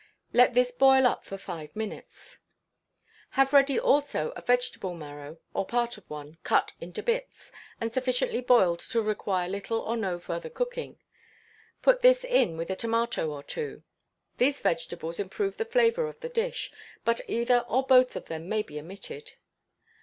Let this boil up for five minutes. Have ready also a vegetable marrow, or part of one, cut into bits, and sufficiently boiled to require little or no further cooking. Put this in with a tomato or two. These vegetables improve the flavour of the dish, but either or both of them may be omitted.